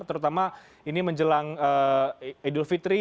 terutama ini menjelang idul fitri